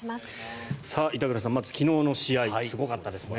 板倉さん、まず昨日の試合すごかったですね。